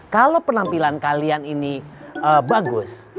kalau penampilan kalian ini bagus